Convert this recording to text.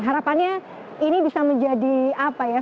harapannya ini bisa menjadi apa ya